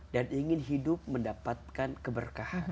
ingin hidup mendapatkan keberkahan